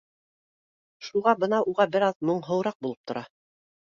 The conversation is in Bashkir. Шуға бына уға бер аҙ моңһоуыраҡ булып тора